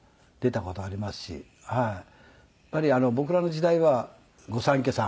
やっぱり僕らの時代は御三家さん。